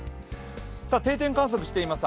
定点観測しています